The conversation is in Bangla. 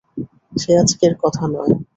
সে আজকের কথা নয়।